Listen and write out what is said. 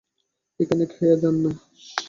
এইখানেই খাইয়া যান-না।